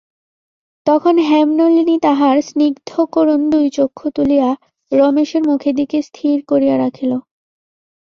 তখন হেমনলিনী তাহার সিনগ্ধকরুণ দুই চক্ষু তুলিয়া রমেশের মুখের দিকে স্থির করিয়া রাখিল।